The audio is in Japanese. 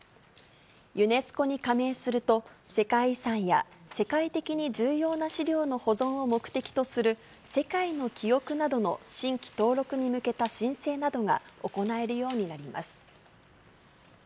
ユネスコに加盟すると、世界遺産や世界的に重要な資料の保存を目的とする世界の記憶などの新規登録に向けた申請などが行えるようになります。